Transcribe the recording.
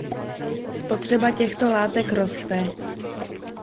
Spotřeba těchto látek roste.